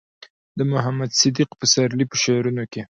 د محمد صديق پسرلي په شعرونو کې